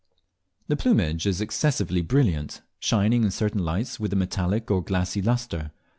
The plumage is excessively brilliant, shining in certain lights with a metallic or glassy lustre.